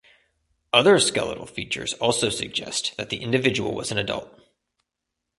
Other skeletal features also suggest that the individual was an adult.